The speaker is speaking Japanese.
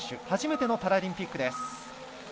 初めてのパラリンピックです。